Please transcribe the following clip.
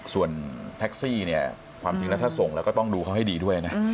ส่วนแท็กซี่เนี่ยความจริงแล้วถ้าส่งแล้วก็ต้องดูเขาให้ดีด้วยนะ